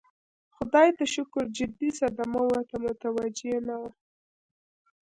خدای ته شکر جدي صدمه ورته متوجه نه وه.